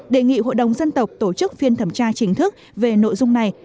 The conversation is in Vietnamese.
đề nghị hội đồng dân tộc tổ chức phiên thẩm tra chính thức về nội dung này